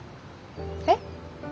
えっ？